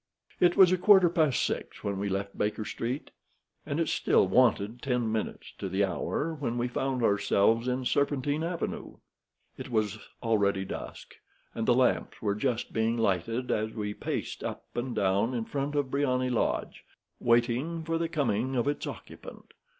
It was a quarter past six when we left Baker Street, and it still wanted ten minutes to the hour when we found ourselves in Serpentine Avenue. It was already dusk, and the lamps were just being lighted as we paced up and down in front of Briony Lodge, waiting for the coming of its occupant.